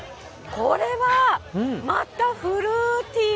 これはまたフルーティー。